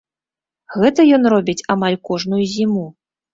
Гэта ён робіць амаль кожную зіму.